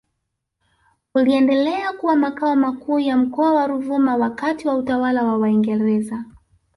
uliendelea kuwa Makao makuu ya Mkoa wa Ruvuma wakati wa utawala wa Waingereza